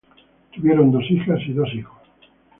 Tuvieron dos hijas y dos hijos.